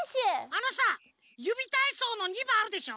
あのさ「ゆびたいそう」の２ばんあるでしょ。